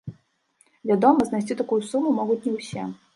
Вядома, знайсці такую суму могуць не ўсе.